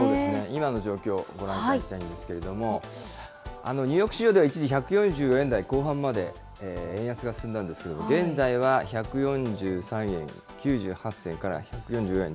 今の状況、ご覧いただきたいんですけれども、ニューヨーク市場では、一時１４４円台後半まで円安が進んだんですけど、現在は１４３円９８銭から１４４円